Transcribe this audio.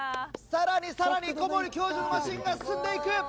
さらにさらに小森教授のマシンが進んで行く。